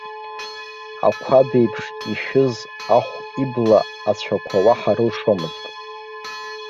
Ақәаб еиԥш ишәыз ахә ибла ацәақәа уаҳа рылшомызт.